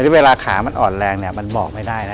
เวลาขามันอ่อนแรงเนี่ยมันบอกไม่ได้นะ